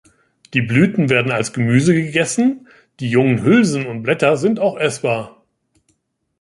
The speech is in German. Die Blüten werden als Gemüse gegessen, die jungen Hülsen und Blätter sind auch essbar.